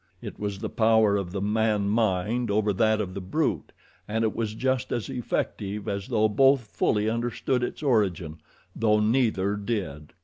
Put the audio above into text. It was the power of the man mind over that of the brute and it was just as effective as though both fully understood its origin, though neither did.